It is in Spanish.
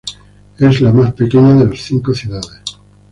Es la más pequeña de las cinco ciudades.